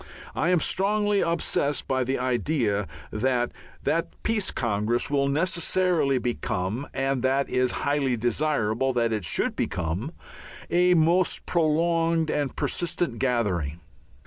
I am strongly obsessed by the idea that that Peace Congress will necessarily become and that it is highly desirable that it should become a most prolonged and persistent gathering.